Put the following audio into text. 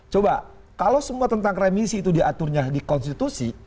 coba kalau semua tentang remisi itu diaturnya di konstitusi